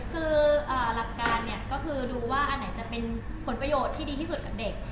คือหลักการดูว่าอย่างไหนจะเป็นผลประโยชน์ที่ดีที่สุดกับเด็ก